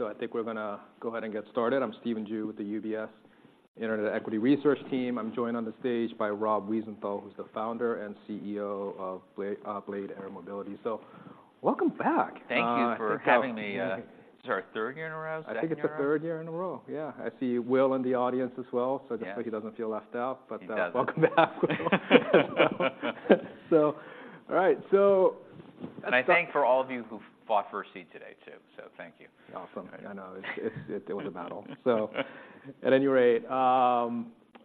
All right, I think we're gonna go ahead and get started. I'm Stephen Ju with the UBS Internet Equity Research Team. I'm joined on the stage by Rob Wiesenthal, who's the founder and CEO of Blade Air Mobility. So welcome back. Thank you for having me. Thank you. Is this our third year in a row, second year in a row? I think it's the third year in a row. Yeah, I see Will in the audience as well. Yeah So just like he doesn't feel left out, but, He doesn't Welcome back, Will. So all right, so let's start. I thank for all of you who fought for a seat today, too, so thank you. Awesome. I know, it was a battle. So at any rate,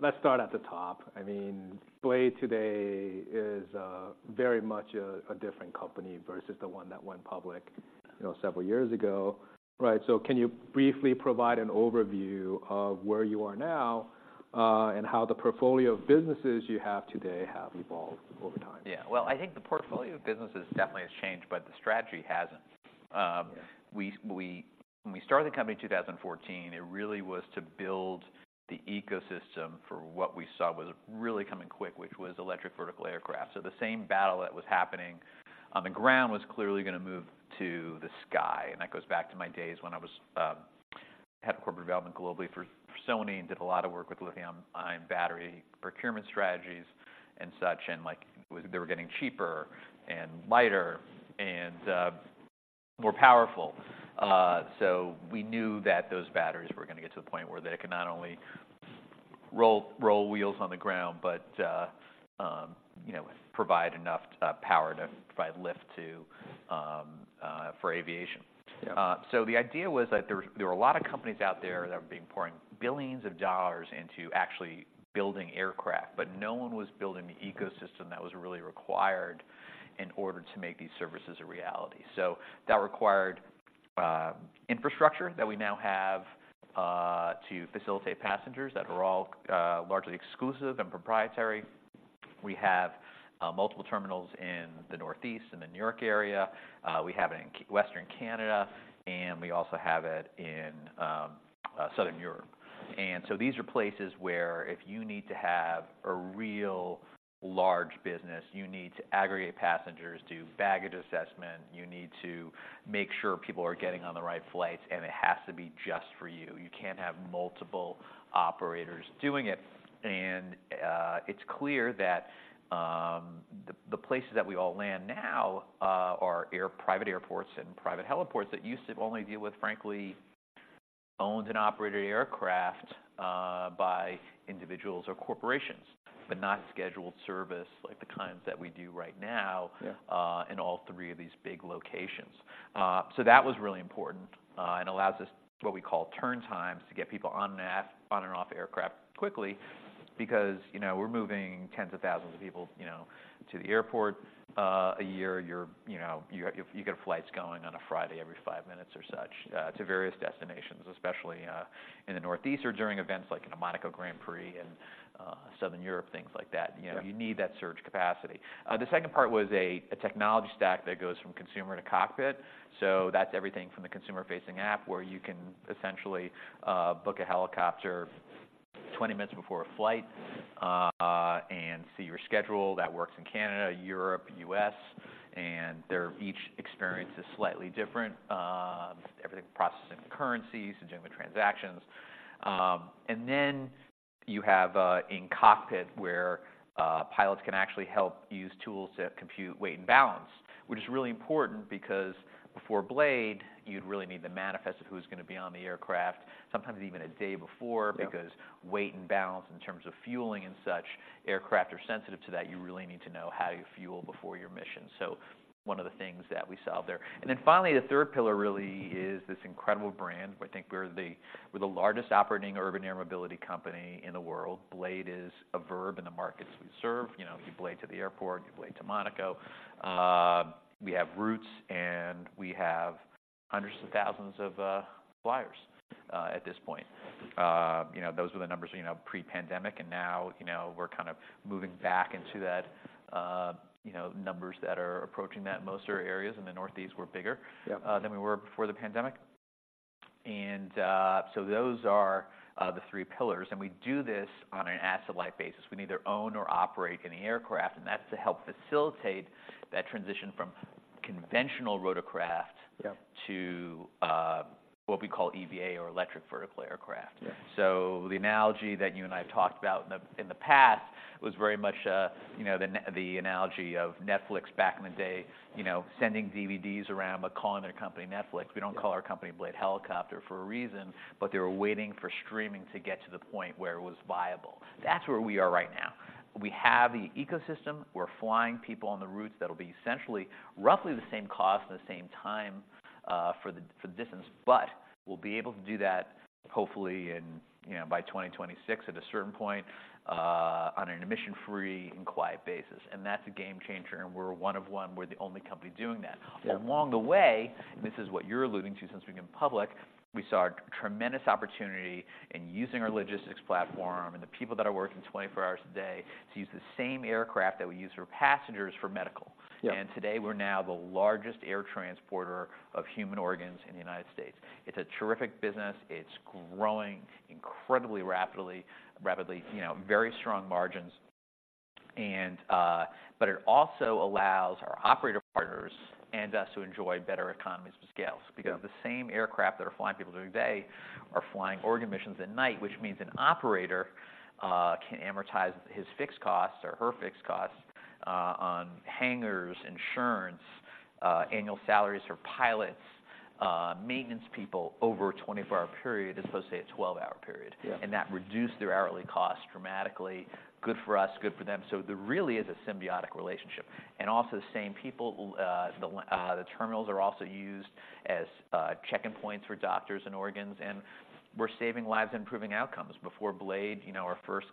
let's start at the top. I mean, Blade today is very much a different company versus the one that went public, you know, several years ago, right? So can you briefly provide an overview of where you are now, and how the portfolio of businesses you have today have evolved over time? Yeah. Well, I think the portfolio of businesses definitely has changed, but the strategy hasn't. Yeah... we when we started the company in 2014, it really was to build the ecosystem for what we saw was really coming quick, which was electric vertical aircraft. So the same battle that was happening on the ground was clearly gonna move to the sky, and that goes back to my days when I was head of corporate development globally for Sony, and did a lot of work with lithium-ion battery procurement strategies and such. And, like, it was. They were getting cheaper and lighter and more powerful. So we knew that those batteries were gonna get to the point where they could not only roll wheels on the ground, but you know, provide enough power to provide lift to for aviation. Yeah. So the idea was that there were a lot of companies out there that were pouring billions of dollars into actually building aircraft, but no one was building the ecosystem that was really required in order to make these services a reality. So that required infrastructure that we now have to facilitate passengers, that are all largely exclusive and proprietary. We have multiple terminals in the Northeast and the New York area. We have it in western Canada, and we also have it in Southern Europe. So these are places where if you need to have a real large business, you need to aggregate passengers, do baggage assessment, you need to make sure people are getting on the right flights, and it has to be just for you. You can't have multiple operators doing it. It's clear that the places that we all land now are private airports and private heliports that used to only deal with, frankly, owned and operated aircraft by individuals or corporations, but not scheduled service like the kinds that we do right now- Yeah... in all three of these big locations. So that was really important, and allows us what we call turn times, to get people on and off, on and off aircraft quickly, because, you know, we're moving tens of thousands of people, you know, to the airport, a year. You know, you've got flights going on a Friday every five minutes or such, to various destinations, especially, in the Northeast or during events like the Monaco Grand Prix, in, southern Europe, things like that. Yeah. You know, you need that surge capacity. The second part was a technology stack that goes from consumer to cockpit. So that's everything from the consumer-facing app, where you can essentially book a helicopter 20 minutes before a flight, and see your schedule. That works in Canada, Europe, U.S., and their each experience is slightly different. Everything from processing the currencies and doing the transactions. And then you have in-cockpit, where pilots can actually help use tools that compute weight and balance, which is really important because before Blade, you'd really need the manifest of who's gonna be on the aircraft, sometimes even a day before- Yeah... because weight and balance in terms of fueling and such, aircraft are sensitive to that. You really need to know how you fuel before your mission. So one of the things that we solve there. And then finally, the third pillar really is this incredible brand. I think we're the largest operating urban air mobility company in the world. Blade is a verb in the markets we serve. You know, you Blade to the airport, you Blade to Monaco. We have routes, and we have hundreds of thousands of flyers at this point. You know, those were the numbers, you know, pre-pandemic, and now, you know, we're kind of moving back into that, you know, numbers that are approaching that. Most of our areas in the Northeast, we're bigger- Yep... than we were before the pandemic. So those are the three pillars, and we do this on an asset-light basis. We neither own or operate any aircraft, and that's to help facilitate that transition from conventional rotorcraft- Yep... to what we call EVA or electric vertical aircraft. Yeah. So the analogy that you and I have talked about in the past was very much, you know, the analogy of Netflix back in the day, you know, sending DVDs around, but calling their company Netflix. Yeah. We don't call our company Blade Helicopter for a reason, but they were waiting for streaming to get to the point where it was viable. That's where we are right now. We have the ecosystem. We're flying people on the routes that'll be essentially roughly the same cost and the same time for the distance, but we'll be able to do that hopefully in, you know, by 2026 at a certain point on an emission-free and quiet basis, and that's a game changer, and we're a one of one. We're the only company doing that. Yeah. Along the way, this is what you're alluding to. Since we've been public, we saw a tremendous opportunity in using our logistics platform and the people that are working 24 hours a day to use the same aircraft that we use for passengers, for medical. Yeah. Today, we're now the largest air transporter of human organs in the United States. It's a terrific business. It's growing incredibly, rapidly, rapidly, you know, very strong margins, and but it also allows our operator partners and us to enjoy better economies of scales, because the same aircraft that are flying people during the day are flying organ missions at night, which means an operator can amortize his fixed costs or her fixed costs on hangars, insurance, annual salaries for pilots, maintenance people over a 24-hour period as opposed to a 12-hour period. Yeah. That reduced their hourly costs dramatically. Good for us, good for them. So there really is a symbiotic relationship. And also the same people, the terminals are also used as check-in points for doctors and organs, and we're saving lives and improving outcomes. Before Blade, you know, our first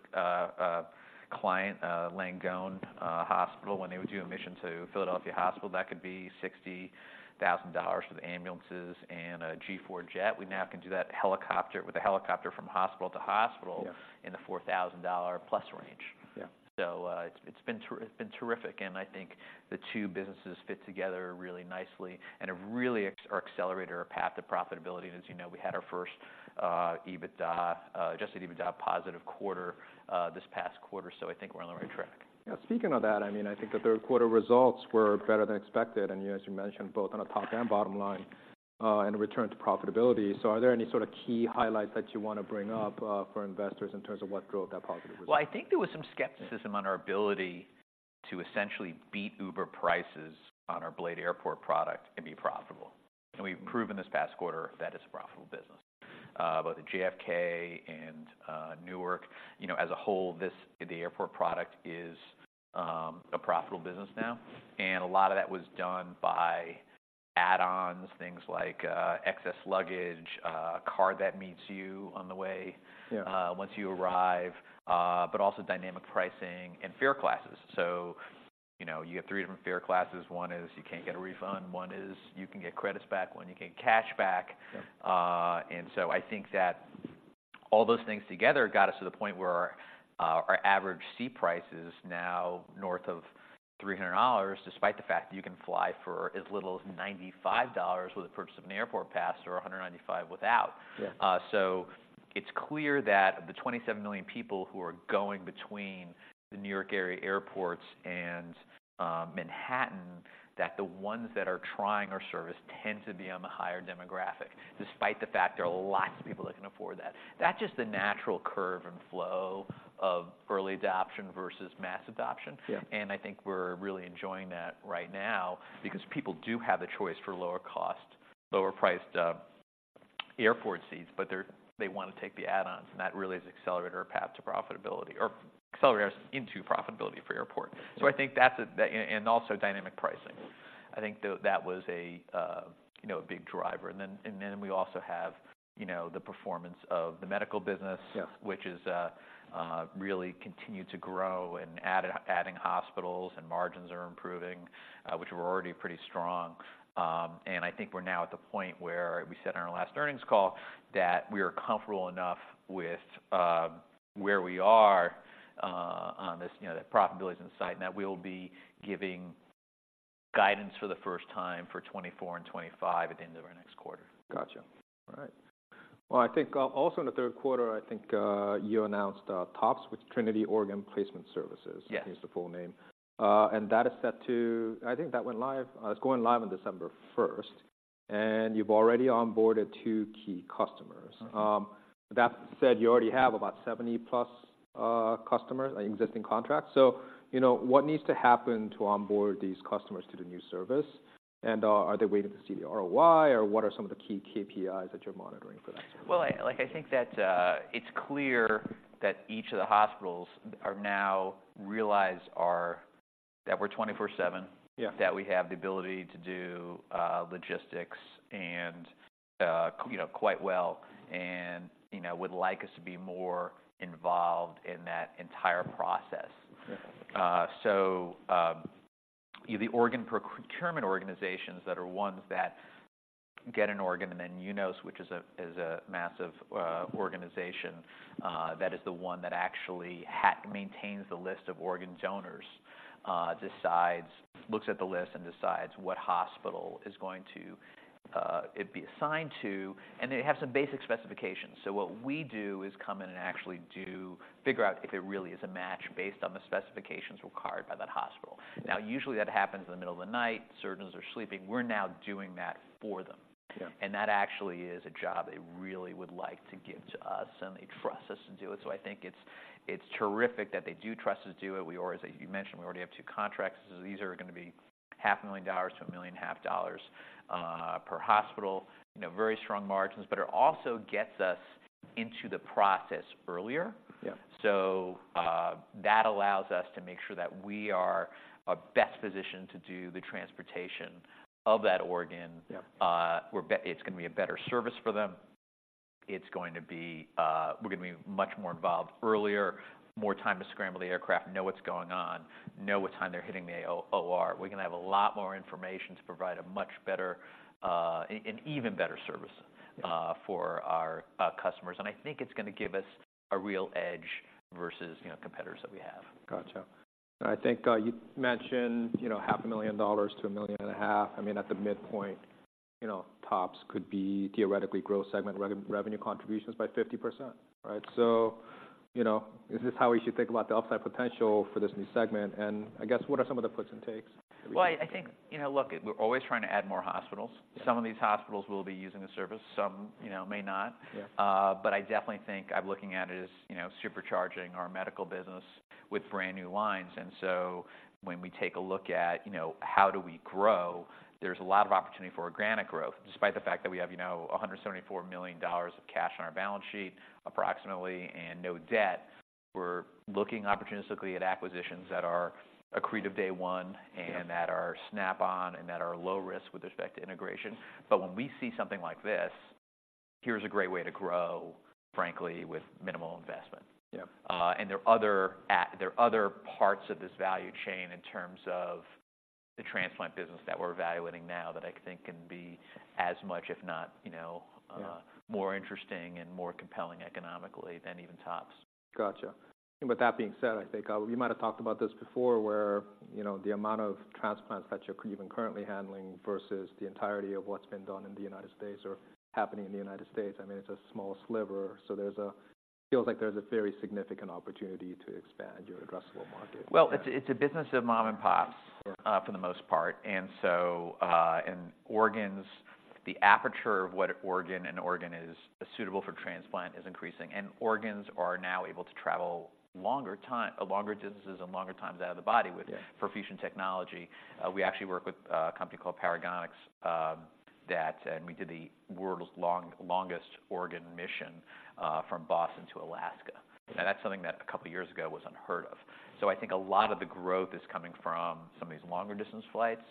client, Langone Hospital, when they would do a mission to Philadelphia Hospital, that could be $60,000 for the ambulances and a G4 jet. We now can do that with a helicopter from hospital to hospital- Yeah... in the $4,000+ range. Yeah. So, it's been terrific, and I think the two businesses fit together really nicely and have really accelerated our path to profitability. And as you know, we had our first adjusted EBITDA positive quarter this past quarter, so I think we're on the right track. Yeah. Speaking of that, I mean, I think the third quarter results were better than expected, and yeah, as you mentioned, both on a top and bottom line, and a return to profitability. So are there any sort of key highlights that you want to bring up, for investors in terms of what drove that positive result? Well, I think there was some skepticism- Yeah... on our ability to essentially beat Uber prices on our Blade Airport product and be profitable, and we've proven this past quarter that it's a profitable business. But the JFK and Newark, you know, as a whole, this, the airport product is a profitable business now, and a lot of that was done by add-ons, things like excess luggage, a car that meets you on the way- Yeah... once you arrive, but also dynamic pricing and fare classes. So, you know, you have three different fare classes. One is you can't get a refund. One is you can get credits back. One you can get cash back. Yeah. I think that all those things together got us to the point where our average seat price is now north of $300, despite the fact that you can fly for as little as $95 with the purchase of an airport pass, or $195 without. Yeah. It's clear that of the 27 million people who are going between the New York area airports and Manhattan, that the ones that are trying our service tend to be on the higher demographic, despite the fact there are lots of people that can afford that. That's just the natural curve and flow of early adoption versus mass adoption. Yeah. I think we're really enjoying that right now because people do have the choice for lower cost, lower priced airport seats, but they want to take the add-ons, and that really has accelerated our path to profitability or accelerated us into profitability for airport. Yeah. So I think that's that. Also, dynamic pricing. I think that was a, you know, a big driver. Then, we also have, you know, the performance of the medical business- Yeah... which is really continued to grow and adding hospitals and margins are improving, which were already pretty strong. I think we're now at the point where we said in our last earnings call that we are comfortable enough with where we are on this, you know, that profitability is in sight, and that we will be giving guidance for the first time for 2024 and 2025 at the end of our next quarter. Gotcha. All right. Well, I think, also in the third quarter, I think, you announced, TOPS with Trinity Organ Placement Services- Yeah... is the full name. And that is set to, I think that went live, it's going live on December first, and you've already onboarded two key customers. Mm-hmm. That said, you already have about 70+ customers, existing contracts. So, you know, what needs to happen to onboard these customers to the new service? And, are they waiting to see the ROI, or what are some of the key KPIs that you're monitoring for that? Well, like, I think that it's clear that each of the hospitals are now realizing that we're 24/7- Yeah... that we have the ability to do logistics and, you know, quite well, and, you know, would like us to be more involved in that entire process. Yeah. So, the organ procurement organizations that are ones that get an organ, and then UNOS, which is a massive organization, that is the one that actually maintains the list of organ donors, looks at the list and decides what hospital is going to be assigned to it, and they have some basic specifications. So what we do is come in and actually figure out if it really is a match based on the specifications required by that hospital. Yeah. Now, usually, that happens in the middle of the night. Surgeons are sleeping. We're now doing that for them. Yeah. That actually is a job they really would like to give to us, and they trust us to do it. I think it's terrific that they do trust us to do it. We always, as you mentioned, we already have two contracts. These are gonna be $500,000-$1.5 million per hospital. You know, very strong margins, but it also gets us into the process earlier. Yeah. That allows us to make sure that we are best positioned to do the transportation of that organ. Yeah. It's gonna be a better service for them. It's going to be, we're gonna be much more involved earlier, more time to scramble the aircraft, know what's going on, know what time they're hitting the OR. We're gonna have a lot more information to provide a much better, even better service- Yeah... for our customers. I think it's gonna give us a real edge versus, you know, competitors that we have. Gotcha. I think, you mentioned, you know, $500,000-$1.5 million, I mean, at the midpoint... you know, TOPS could be theoretically growth segment revenue contributions by 50%, right? So, you know, is this how we should think about the upside potential for this new segment? And I guess, what are some of the puts and takes? Well, I think, you know, look, we're always trying to add more hospitals. Yeah. Some of these hospitals will be using the service, some, you know, may not. Yeah. But I definitely think I'm looking at it as, you know, supercharging our medical business with brand-new lines. And so when we take a look at, you know, how do we grow, there's a lot of opportunity for organic growth, despite the fact that we have, you know, $174 million of cash on our balance sheet, approximately, and no debt. We're looking opportunistically at acquisitions that are accretive day one- Yeah... and that are snap-on and that are low risk with respect to integration. But when we see something like this, here's a great way to grow, frankly, with minimal investment. Yeah. There are other parts of this value chain in terms of the transplant business that we're evaluating now, that I think can be as much, if not, you know- Yeah... more interesting and more compelling economically than even TOPS. Gotcha. With that being said, I think, we might have talked about this before, where, you know, the amount of transplants that you're even currently handling versus the entirety of what's been done in the United States or happening in the United States, I mean, it's a small sliver. So, feels like there's a very significant opportunity to expand your addressable market. Well, it's a business of mom-and-pops- Yeah... for the most part. And so, and organs, the aperture of what organ an organ is suitable for transplant is increasing, and organs are now able to travel longer time, longer distances and longer times out of the body with- Yeah... perfusion technology. We actually work with a company called Paragonix, and we did the world's longest organ mission, from Boston to Alaska. Yeah. Now, that's something that a couple of years ago was unheard of. So I think a lot of the growth is coming from some of these longer distance flights.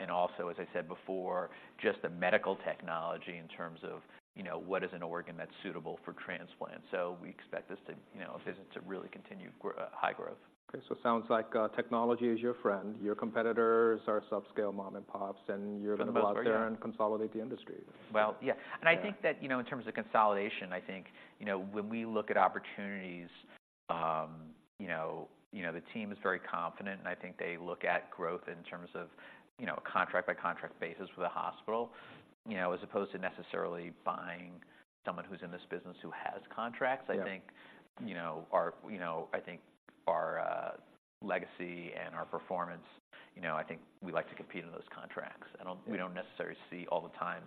And also, as I said before, just the medical technology in terms of, you know, what is an organ that's suitable for transplant? So we expect this to, you know, this to really continue high growth. Okay, so it sounds like technology is your friend, your competitors are subscale mom-and-pops, and you're- For the most part, yeah.... gonna go out there and consolidate the industry. Well, yeah. Yeah. I think that, you know, in terms of consolidation, I think, you know, when we look at opportunities, you know, you know, the team is very confident, and I think they look at growth in terms of, you know, a contract-by-contract basis with a hospital, you know, as opposed to necessarily buying someone who's in this business who has contracts. Yeah. I think, you know, our legacy and our performance, you know, I think we like to compete in those contracts. Yeah. We don't necessarily see all the time,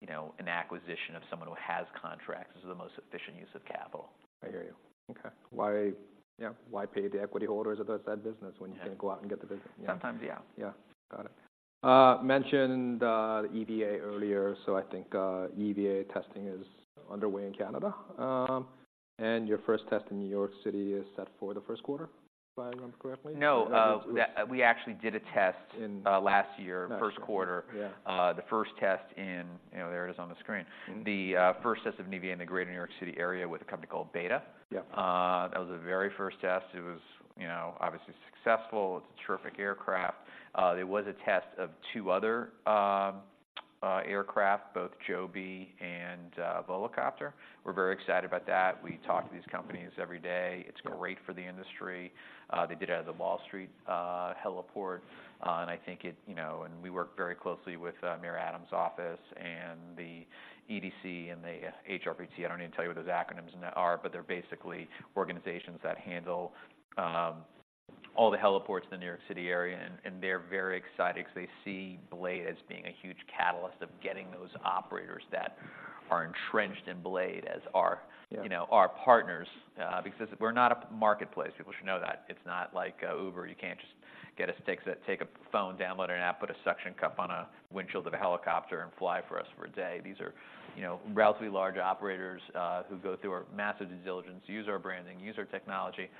you know, an acquisition of someone who has contracts is the most efficient use of capital. I hear you. Okay. Why, yeah, why pay the equity holders of that said business- Yeah... when you can go out and get the business? Sometimes, yeah. Yeah. Got it. Mentioned the EVA earlier. So I think EVA testing is underway in Canada. And your first test in New York City is set for the first quarter, if I remember correctly? No, yeah, we actually did a test- In-... last year. That's right. First quarter. Yeah. The first test in, you know, there it is on the screen. Mm-hmm. The first test of EVA in the greater New York City area with a company called Beta. Yeah. That was the very first test. It was, you know, obviously successful. It's a terrific aircraft. It was a test of two other aircraft, both Joby and Volocopter. We're very excited about that. We talk to these companies every day. Yeah. It's great for the industry. They did it out of the Wall Street Heliport. And I think it, you know, and we work very closely with Mayor Adams' office and the EDC and the HRPT. I don't need to tell you what those acronyms are, but they're basically organizations that handle all the heliports in the New York City area, and they're very excited because they see Blade as being a huge catalyst of getting those operators that are entrenched in Blade as our- Yeah... you know, our partners. Because we're not a marketplace. People should know that. It's not like Uber. You can't just get us to take a phone, download an app, put a suction cup on a windshield of a helicopter and fly for us for a day. These are, you know, relatively large operators, who go through our massive due diligence, use our branding, use our technology.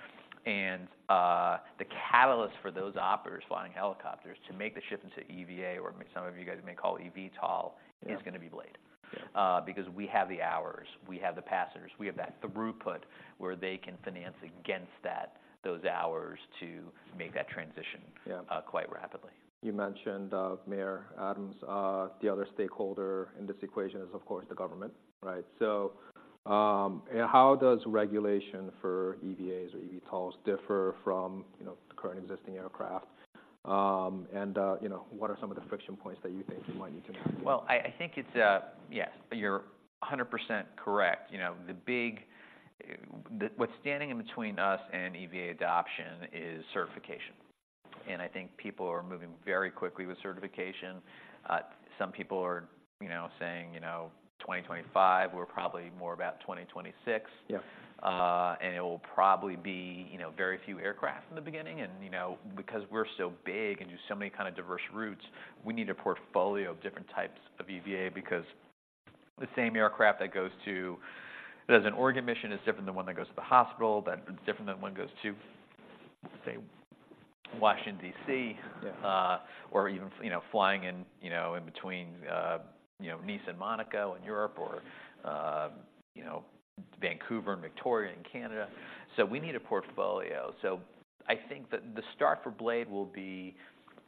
And the catalyst for those operators flying helicopters to make the shift into EVA, or some of you guys may call it eVTOL- Yeah... is gonna be Blade. Yeah. Because we have the hours, we have the passengers, we have that throughput where they can finance against that, those hours, to make that transition- Yeah... quite rapidly. You mentioned Mayor Adams. The other stakeholder in this equation is, of course, the government, right? So, how does regulation for EVAs or eVTOLs differ from, you know, the current existing aircraft? And, you know, what are some of the friction points that you think you might need to know? Well, I think it's... Yeah, you're 100% correct. You know, the big what's standing in between us and EVA adoption is certification, and I think people are moving very quickly with certification. Some people are, you know, saying, you know, 2025, we're probably more about 2026. Yeah. It will probably be, you know, very few aircraft in the beginning. You know, because we're so big and do so many kind of diverse routes, we need a portfolio of different types of EVA, because the same aircraft that has an organ mission is different than one that goes to the hospital. It's different than one that goes to, say, Washington, D.C.- Yeah... or even, you know, flying in, you know, in between, you know, Nice and Monaco in Europe or, you know, Vancouver and Victoria in Canada. So we need a portfolio. So I think that the start for Blade will be,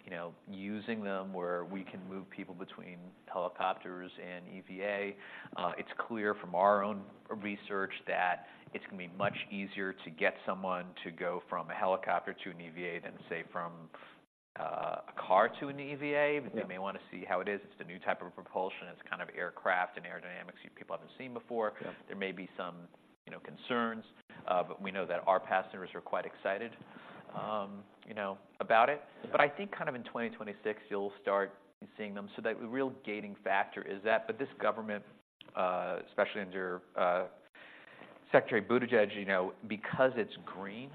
you know, using them where we can move people between helicopters and EVA. It's clear from our own research that it's gonna be much easier to get someone to go from a helicopter to an EVA than, say, from a car to an EVA- Yeah But they may want to see how it is. It's the new type of propulsion. It's kind of aircraft and aerodynamics people haven't seen before. Yeah. There may be some, you know, concerns, but we know that our passengers are quite excited, you know, about it. Yeah. But I think kind of in 2026, you'll start seeing them. So the real gating factor is that. But this government, especially under Secretary Buttigieg, you know, because it's green,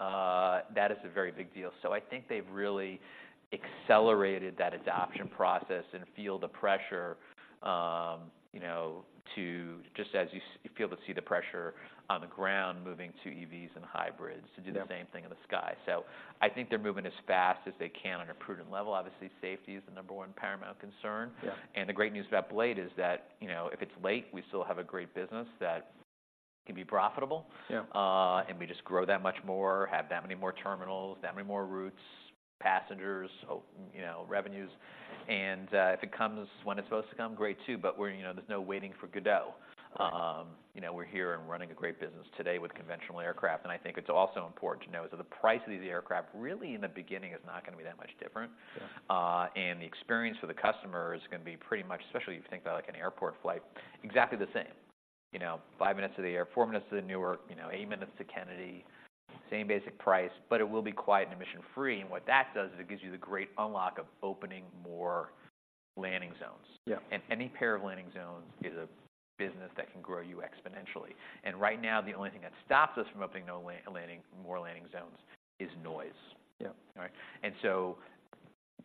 that is a very big deal. So I think they've really accelerated that adoption process and feel the pressure, you know, to just as you feel to see the pressure on the ground moving to EVs and hybrids- Yeah To do the same thing in the sky. So I think they're moving as fast as they can on a prudent level. Obviously, safety is the number one paramount concern. Yeah. The great news about Blade is that, you know, if it's late, we still have a great business that can be profitable. Yeah. We just grow that much more, have that many more terminals, that many more routes, passengers, oh, you know, revenues. If it comes when it's supposed to come, great too, but we're, you know, there's no waiting for Godot. Right. You know, we're here and running a great business today with conventional aircraft. I think it's also important to know is that the price of the aircraft really, in the beginning, is not going to be that much different. Yeah. The experience for the customer is going to be pretty much, especially if you think about like an airport flight, exactly the same. You know, 5 minutes to the air, 4 minutes to the Newark, you know, 8 minutes to Kennedy, same basic price, but it will be quiet and emission-free. And what that does, is it gives you the great unlock of opening more landing zones. Yeah. Any pair of landing zones is a business that can grow you exponentially. Right now, the only thing that stops us from opening new landing zones is noise. Yeah. All right? So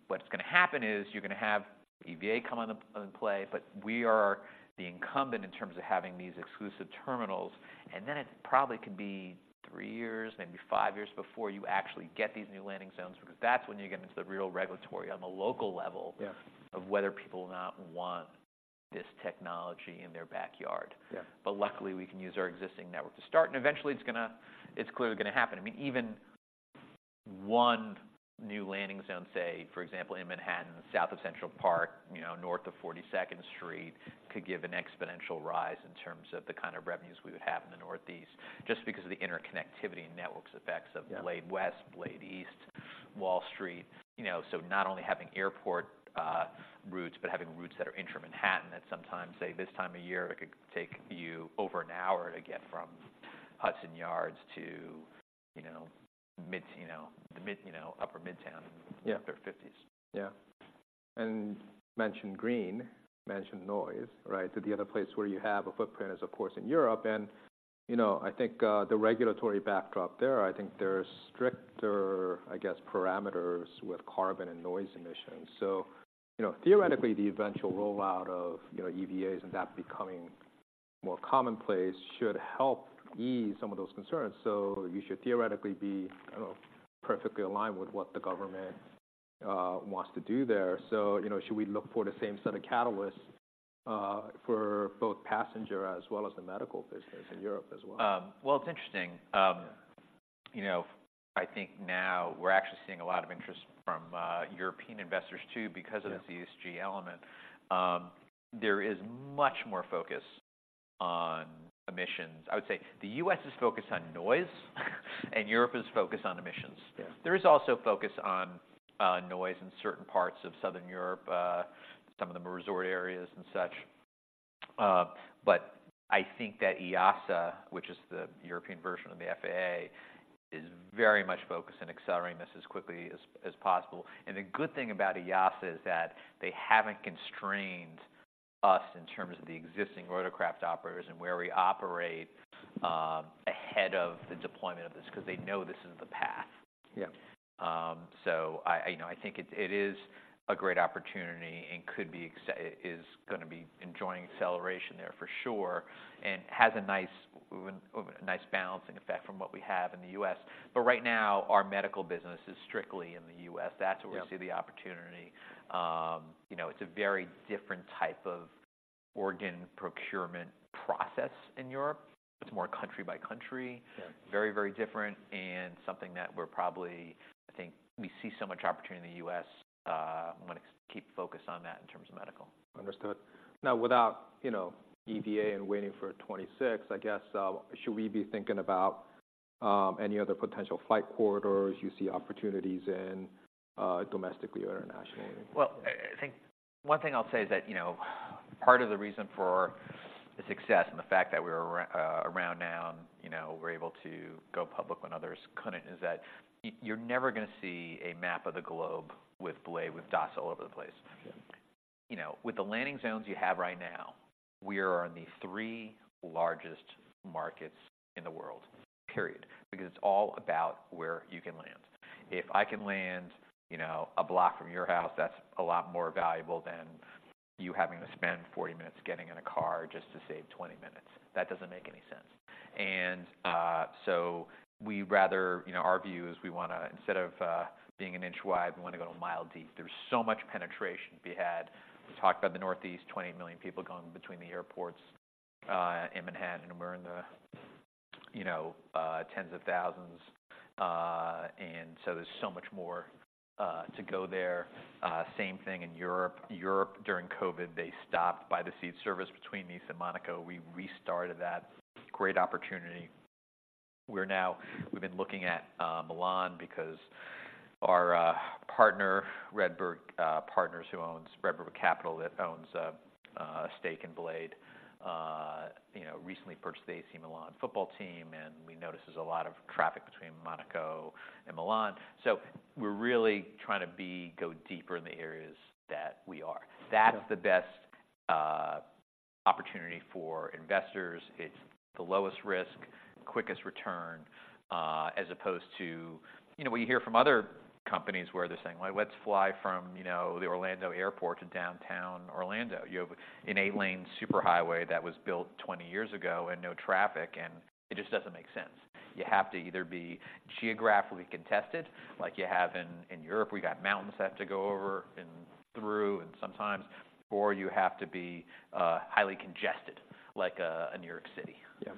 what's going to happen is, you're going to have EVA come into play, but we are the incumbent in terms of having these exclusive terminals. Then it probably could be 3 years, maybe 5 years before you actually get these new landing zones, because that's when you get into the real regulatory on the local level- Yeah... of whether people will not want this technology in their backyard. Yeah. But luckily, we can use our existing network to start, and eventually, it's gonna—it's clearly going to happen. I mean, even one new landing zone, say, for example, in Manhattan, south of Central Park, you know, north of Forty-second Street, could give an exponential rise in terms of the kind of revenues we would have in the Northeast, just because of the interconnectivity and network effects of- Yeah Blade West, Blade East, Wall Street. You know, so not only having airport routes, but having routes that are intra-Manhattan, that sometimes, say, this time of year, it could take you over an hour to get from Hudson Yards to, you know, mid, you know, the mid, you know, upper Midtown- Yeah -third Fifties. Yeah. And you mentioned green, mentioned noise, right? So the other place where you have a footprint is, of course, in Europe. And, you know, I think, the regulatory backdrop there, I think there's stricter, I guess, parameters with carbon and noise emissions. So, you know, theoretically, the eventual rollout of, you know, EVAs and that becoming more commonplace should help ease some of those concerns. So you should theoretically be, perfectly aligned with what the government, wants to do there. So, you know, should we look for the same set of catalysts, for both passenger as well as the medical business in Europe as well? Well, it's interesting. You know, I think now we're actually seeing a lot of interest from European investors, too- Yeah... because of the ESG element. There is much more focus on emissions. I would say the U.S. is focused on noise, and Europe is focused on emissions. Yeah. There is also focus on, noise in certain parts of Southern Europe, some of the resort areas and such. But I think that EASA, which is the European version of the FAA, is very much focused on accelerating this as quickly as possible. And the good thing about EASA is that they haven't constrained us in terms of the existing rotorcraft operators and where we operate, ahead of the deployment of this, because they know this is the path. Yeah. So, you know, I think it is a great opportunity and it is gonna be enjoying acceleration there for sure, and has a nice balancing effect from what we have in the US. But right now, our medical business is strictly in the US. Yeah. That's where we see the opportunity. You know, it's a very different type of organ procurement process in Europe. It's more country by country. Yeah. Very, very different, and something that we're probably, I think we see so much opportunity in the U.S., I'm gonna keep focused on that in terms of medical. Understood. Now, without, you know, EVA and waiting for 2026, I guess, should we be thinking about any other potential flight corridors you see opportunities in, domestically or internationally? Well, I think one thing I'll say is that, you know, part of the reason for the success and the fact that we're around now and, you know, we're able to go public when others couldn't, is that you're never gonna see a map of the globe with Blade, with dots all over the place. Yeah. You know, with the landing zones you have right now, we are on the three largest markets in the world, period. Because it's all about where you can land. If I can land, you know, a block from your house, that's a lot more valuable than you having to spend 40 minutes getting in a car just to save 20 minutes. That doesn't make any sense. And so we... You know, our view is we wanna, instead of being an inch wide, we want to go a mile deep. There's so much penetration to be had. We talked about the Northeast, 28 million people going between the airports in Manhattan, and we're in the, you know, tens of thousands. And so there's so much more to go there. Same thing in Europe. Europe, during COVID, they stopped by-the-seat service between Nice and Monaco. We restarted that. Great opportunity. We're now—we've been looking at Milan because our partner, RedBird Capital Partners, who owns a stake in Blade, you know, recently purchased the AC Milan football team, and we noticed there's a lot of traffic between Monaco and Milan. So we're really trying to go deeper in the areas that we are. That's the best opportunity for investors. It's the lowest risk, quickest return, as opposed to, you know, what you hear from other companies, where they're saying, "Well, let's fly from, you know, the Orlando Airport to downtown Orlando." You have an eight-lane superhighway that was built 20 years ago and no traffic, and it just doesn't make sense. You have to either be geographically contested, like you have in Europe, we got mountains that have to go over and through, and sometimes, or you have to be highly congested, like a New York City. Yeah.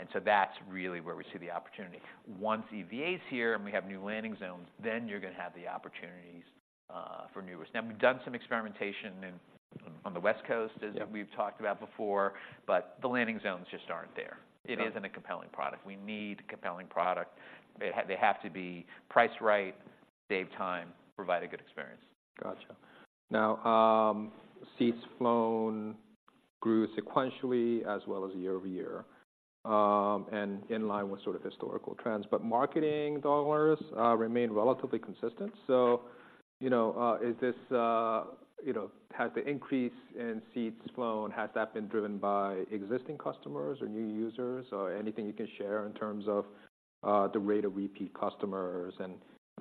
and so that's really where we see the opportunity. Once EVA's here, and we have new landing zones, then you're gonna have the opportunities for new routes. Now, we've done some experimentation in on the West Coast- Yeah... as we've talked about before, but the landing zones just aren't there. Yeah. It isn't a compelling product. We need a compelling product. They have to be priced right, save time, provide a good experience. Gotcha. Now, seats flown grew sequentially as well as year-over-year, and in line with sort of historical trends, but marketing dollars remained relatively consistent. So, you know, is this... You know, has the increase in seats flown, has that been driven by existing customers or new users? Or anything you can share in terms of the rate of repeat customers, and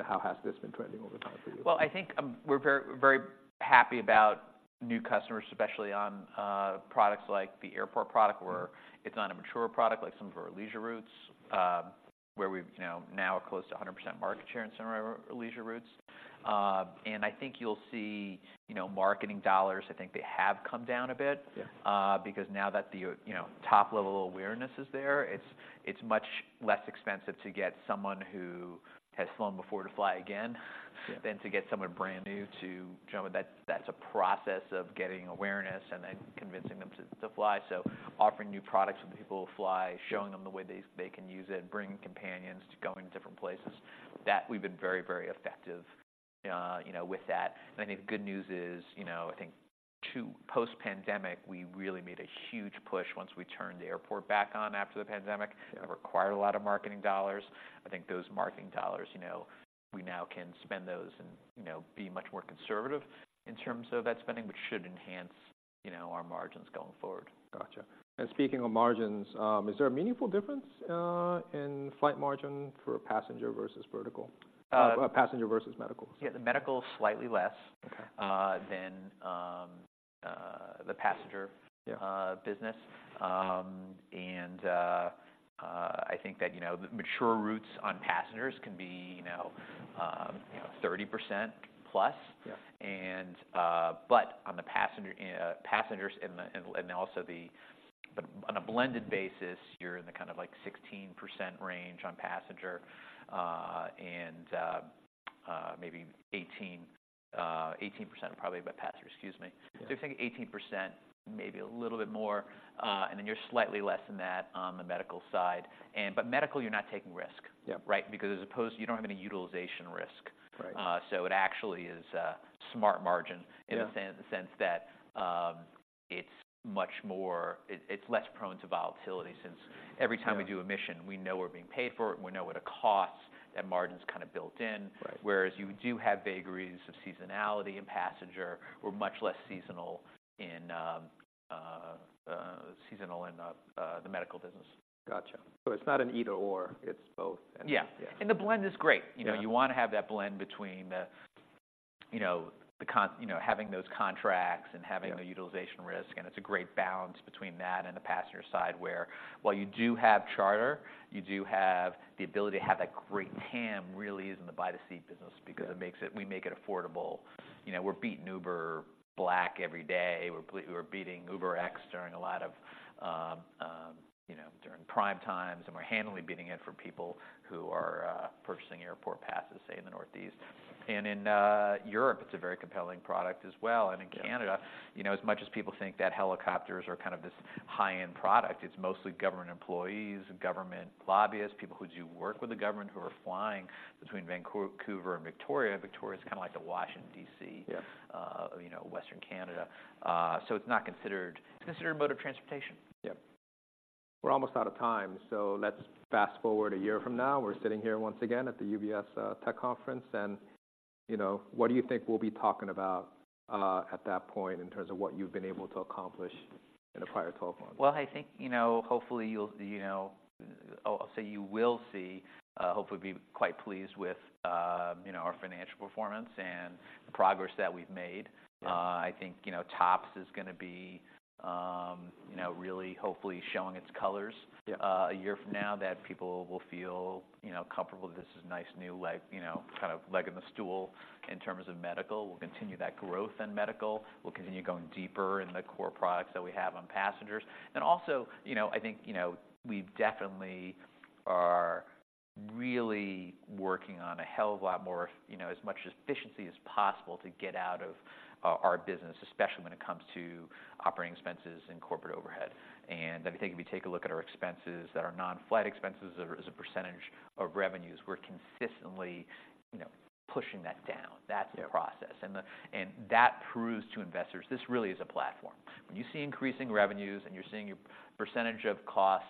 how has this been trending over time for you? Well, I think, we're very, very happy about new customers, especially on products like the airport product- Yeah... where it's not a mature product, like some of our leisure routes, where we've, you know, now are close to 100% market share in some of our leisure routes. And I think you'll see, you know, marketing dollars, I think they have come down a bit- Yeah... because now that the, you know, top-level awareness is there, it's much less expensive to get someone who has flown before to fly again- Yeah... than to get someone brand new to jump in. That, that's a process of getting awareness and then convincing them to fly. So offering new products for people to fly, showing them the way they can use it, bringing companions to go into different places, that we've been very, very effective, you know, with that. And I think the good news is, you know, I think, too, post-pandemic, we really made a huge push once we turned the airport back on after the pandemic. Yeah. It required a lot of marketing dollars. I think those marketing dollars, you know, we now can spend those and, you know, be much more conservative in terms of that spending, which should enhance, you know, our margins going forward. Gotcha. Speaking of margins, is there a meaningful difference in flight margin for passenger versus vertical? Uh... passenger versus medical? Yeah, the medical is slightly less- Okay... than the passenger- Yeah... business. And I think that, you know, the mature routes on passengers can be, you know, you know, 30% plus. Yeah. But on a blended basis, you're in the kind of like 16% range on passenger, and maybe 18, 18% probably by passenger, excuse me. Yeah. So I think 18%, maybe a little bit more, and then you're slightly less than that on the medical side. But medical, you're not taking risk- Yeah... right? Because as opposed, you don't have any utilization risk. Right. It actually is a smart margin- Yeah... in the sense that, it's much more, it's less prone to volatility, since every time- Yeah... we do a mission, we know we're being paid for it, we know what it costs, that margin's kind of built in. Right. Whereas you do have vagaries of seasonality in passenger, we're much less seasonal in the medical business. Gotcha. So it's not an either/or, it's both? Yeah. Yeah. The blend is great. Yeah. You know, you wanna have that blend between the, you know, having those contracts and having- Yeah... the utilization risk, and it's a great balance between that and the passenger side, where while you do have charter, you do have the ability to have that great TAM, really, is in the buy-to-seat business- Yeah... because it makes it, we make it affordable. You know, we're beating Uber Black every day. We're beating UberX during a lot of, you know, during prime times, and we're handily beating it for people who are purchasing airport passes, say, in the Northeast. And in Europe, it's a very compelling product as well. Yeah. In Canada, you know, as much as people think that helicopters are kind of this high-end product, it's mostly government employees and government lobbyists, people who do work with the government, who are flying between Vancouver and Victoria. Victoria's kind of like the Washington, D.C.- Yeah... you know, Western Canada. So it's not considered... It's considered a mode of transportation. Yeah. We're almost out of time, so let's fast-forward a year from now. We're sitting here once again at the UBS Tech Conference, and, you know, what do you think we'll be talking about at that point in terms of what you've been able to accomplish in the prior 12 months? Well, I think, you know, hopefully, you'll, you know... I'll say you will see, hopefully be quite pleased with, you know, our financial performance and the progress that we've made. Yeah. I think, you know, TOPS is gonna be, you know, really hopefully showing its colors- Yeah… a year from now, that people will feel, you know, comfortable that this is a nice, new leg, you know, kind of leg in the stool. In terms of medical, we'll continue that growth in medical. We'll continue going deeper in the core products that we have on passengers. And also, you know, I think, you know, we definitely are really working on a hell of a lot more, you know, as much efficiency as possible to get out of our business, especially when it comes to operating expenses and corporate overhead. And I think if you take a look at our expenses that are non-flight expenses as a percentage of revenues, we're consistently, you know, pushing that down. Yeah. That's the process, and that proves to investors this really is a platform. When you see increasing revenues, and you're seeing your percentage of costs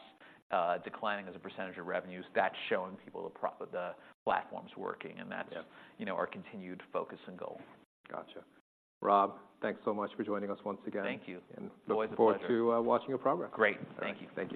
declining as a percentage of revenues, that's showing people the platform's working, and that's- Yeah... you know, our continued focus and goal. Gotcha. Rob, thanks so much for joining us once again. Thank you. And- Always a pleasure.... look forward to watching your progress. Great. Thank you. Thank you.